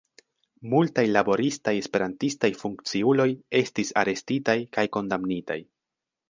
Multaj laboristaj Esperantistaj funkciuloj estis arestitaj kaj kondamnitaj.